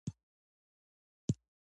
انګلیسي د کاري ودې مهمه برخه ده